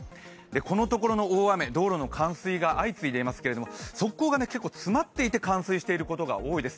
このところの大雨、道路の冠水が相次いでいますけれども側溝が詰まって冠水していることが多いです。